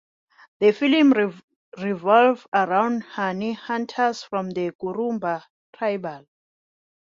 The film revolves around honey hunters from the Kurumba tribe.